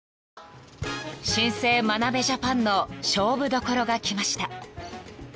［新生眞鍋ジャパンの勝負どころがきました］